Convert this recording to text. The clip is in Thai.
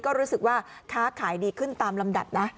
ก็รู้สึกว่าค้าขายดีขึ้นตามลำดับนะ